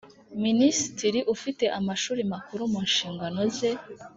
Minisitiri ufite Amashuri Makuru mu nshingano ze